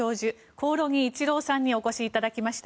興梠一郎さんにお越しいただきました。